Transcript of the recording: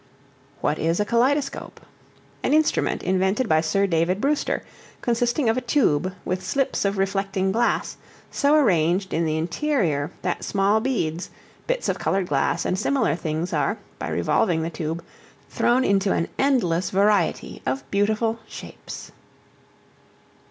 What is a Kaleidoscope? An instrument invented by Sir David Brewster, consisting of a tube with slips of reflecting glass so arranged in the interior that small beads, bits of colored glass, and similar things are, by revolving the tube, thrown into an endless variety of beautiful shapes.